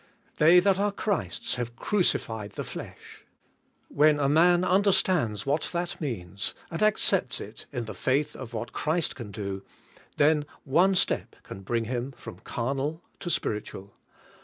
''They that are Christ's have crucified the flesh." When a man understands what that means, and ac cepts it in the faith of what Christ can do, then one step can bring him from carnal to spiritual.